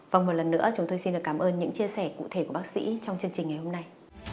và một lần nữa chúng tôi xin được cảm ơn những chia sẻ cụ thể của bác sĩ trong chương trình ngày hôm nay